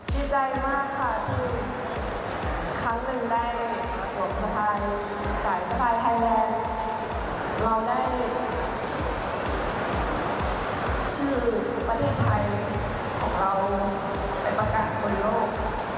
ดีใจมากค่ะคือครั้งหนึ่งได้ส่วนสไทยสายสไทยไทยแลนด์เราได้ชื่อประเทศไทยของเราไปประกาศบนโลก